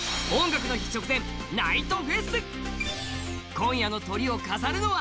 今夜のトリを飾るのは